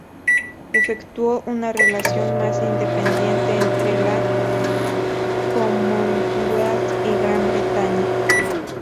Efectuó una relación más independiente entre la Commonwealth y Gran Bretaña.